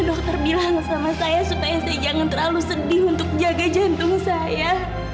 dokter bilang sama saya supaya saya jangan terlalu sedih untuk jaga jantung saya